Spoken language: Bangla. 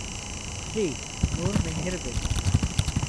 স্ত্রী ঃ নূর মেহের বেগম।